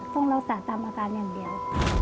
ต้องรักษาตามอาการอย่างเดียว